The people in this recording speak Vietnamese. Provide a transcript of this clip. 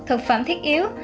thực phẩm thiết yếu